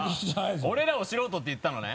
俺らを素人って言ったのね？